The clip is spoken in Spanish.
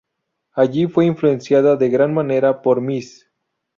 Allí fue influenciada de gran manera por Miss.